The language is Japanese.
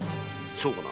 そうかな。